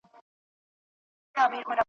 هره ورځ ورته اختر کی هره شپه یې برات غواړم `